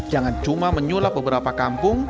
jangan cuma menyulap beberapa kampung